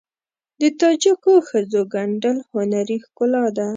د تاجکو ښځو ګنډل هنري ښکلا ده.